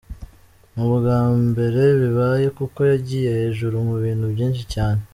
Ni ubwa mbere bibaye kuko yagiye hejuru mu bintu byinshi cyane.